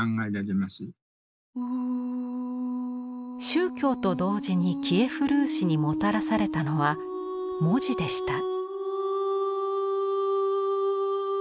宗教と同時にキエフ・ルーシにもたらされたのは文字でした。